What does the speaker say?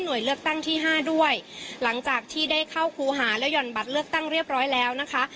เลือกตั้งที่ห้าด้วยหลังจากที่ได้เข้าครูหาแล้วห่อนบัตรเลือกตั้งเรียบร้อยแล้วนะคะ